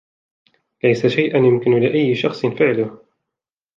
ليس شيئًا يمكن لأيّ شخص فعله.